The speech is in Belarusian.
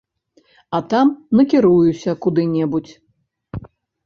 А там накіруюся куды-небудзь.